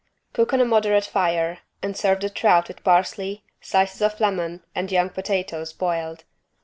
Cook on a moderate fire and serve the trout with parsley, slices of lemon and young potatoes boiled.